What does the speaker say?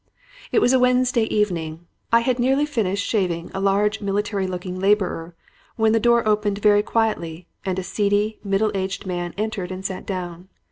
"It was a Wednesday evening. I had nearly finished shaving a large, military looking laborer when the door opened very quietly and a seedy, middle aged man entered and sat down.